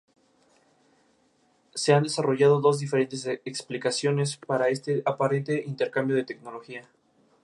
Se han desarrollado dos diferentes explicaciones para este aparente intercambio de tecnología.